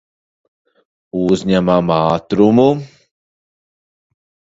Uzņemam ātrumu.